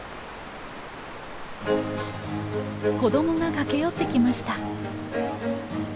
子どもが駆け寄ってきました。